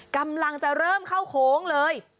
กำลังจะเริ่มเข้าโค้งเลย